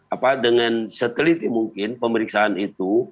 apa dengan seteliti mungkin pemeriksaan itu